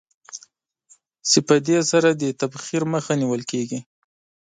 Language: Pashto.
چې په دې سره د تبخیر مخه نېول کېږي.